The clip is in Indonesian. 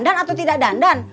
dandan atau tidak dandan